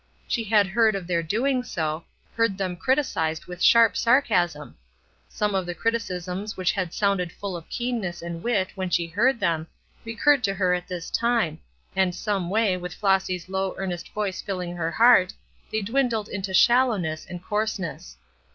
She had heard of their doing so; heard them criticised with sharp sarcasm. Some of the criticisms which had sounded full of keenness and wit when she heard them, recurred to her at this time, and some way, with Flossy's low, earnest voice filling her heart, they dwindled into shallowness and coarseness.